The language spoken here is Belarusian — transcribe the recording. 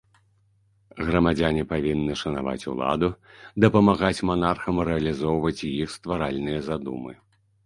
Грамадзяне павінны шанаваць уладу, дапамагаць манархам рэалізоўваць іх стваральныя задумы.